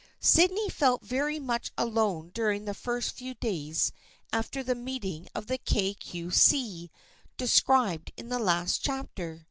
Sydney felt very much alone during the first few days after the meeting of the Kay Cue See described in the last chapter.